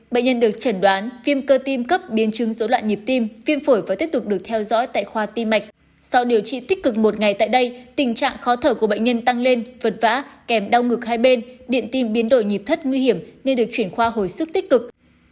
bệnh nhân được chẩn đoán viêm cơ tim cấp biến chứng dối loạn nhịp tim viêm phổi và tiếp tục được theo dõi tại khoa tim mạch sau điều trị tích cực một ngày tại đây tình trạng khó thở của bệnh nhân tăng lên vật vã kèm đau ngực hai bên điện tim biến đổi nhịp thất nguy hiểm nên được chuyển khoa hồi sức tích cực